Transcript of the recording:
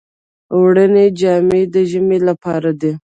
وړینې جامې د ژمي لپاره دي